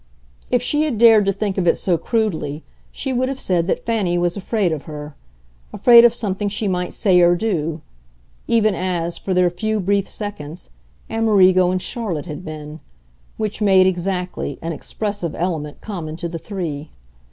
If she had dared to think of it so crudely she would have said that Fanny was afraid of her, afraid of something she might say or do, even as, for their few brief seconds, Amerigo and Charlotte had been which made, exactly, an expressive element common to the three.